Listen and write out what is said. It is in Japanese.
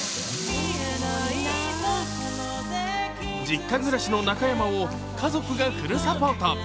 実家暮らしの中山を家族がフルサポート。